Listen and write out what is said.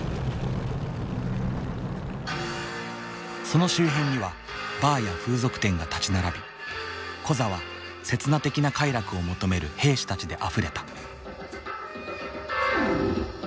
その周辺にはバーや風俗店が立ち並びコザは刹那的な快楽を求める兵士たちであふれた。